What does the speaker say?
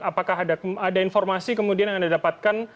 apakah ada informasi kemudian yang anda dapatkan